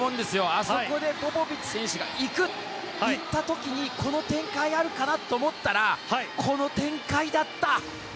あそこでポポビッチ選手が行った時にこの展開あるかなと思ったらこの展開だった！